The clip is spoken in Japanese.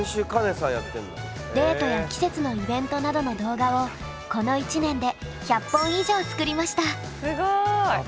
デートや季節のイベントなどの動画をこの１年で１００本以上作りました。